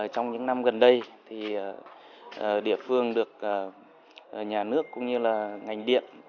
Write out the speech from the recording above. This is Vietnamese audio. trong những năm gần đây thì địa phương được nhà nước cũng như là ngành điện